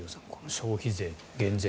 消費税の減税。